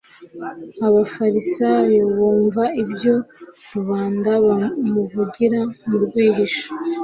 abafarisayo bumva ibyo rubanda bamuvugira mu rwihisho